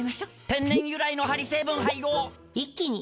天然由来のハリ成分配合一気に！